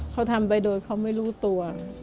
เขาทำไปโดยเขาไม่รู้ตัว